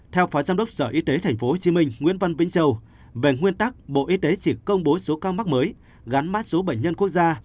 theo phó giám đốc sở y tế tp hcm nguyễn văn vĩnh dâu về nguyên tắc bộ y tế chỉ công bố số ca mắc mới gắn mát số bệnh nhân quốc gia